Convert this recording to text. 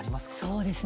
そうですね